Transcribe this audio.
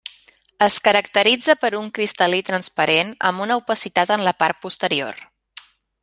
Es caracteritza per un cristal·lí transparent amb una opacitat en la part posterior.